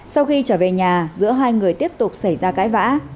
sau khi trở về nhà giữa hai người tiếp tục xảy ra cãi vã